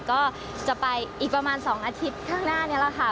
ก็จะไปอีกประมาณ๒อาทิตย์ข้างหน้านี้แหละค่ะ